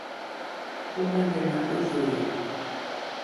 omale la ’odholri